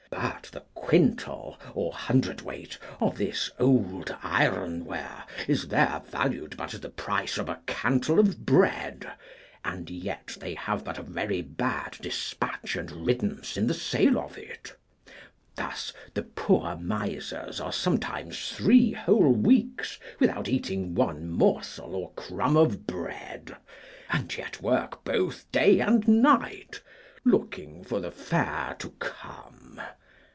But the quintal, or hundredweight, of this old ironware is there valued but at the price of a cantle of bread, and yet they have but a very bad despatch and riddance in the sale of it. Thus the poor misers are sometimes three whole weeks without eating one morsel or crumb of bread, and yet work both day and night, looking for the fair to come.